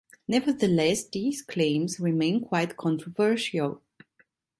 Nevertheless, these claims remain quite controversial.